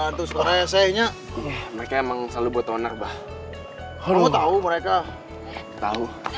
hantu sebenarnya saynya mereka emang selalu buat owner bah tahu mereka tahu